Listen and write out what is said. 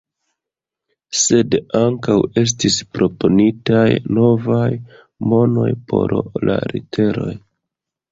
Sed ankaŭ estis proponitaj novaj nomoj por la literoj.